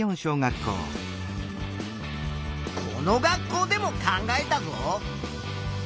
この学校でも考えたぞ。